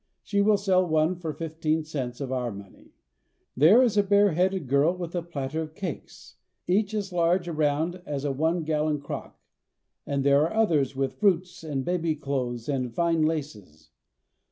She will sell one for fifteen cents of our money. There is a bareheaded girl with a platter of cakes each as large around as a one gallon crock, and there are others with fruits and baby clothes and fine laces.